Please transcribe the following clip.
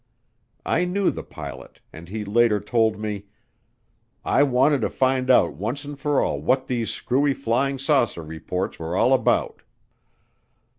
I knew the pilot, and he later told me, "I wanted to find out once and for all what these screwy flying saucer reports were all about."